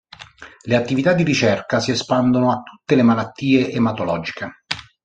Le attività di ricerca si espandono a tutte le malattie ematologiche.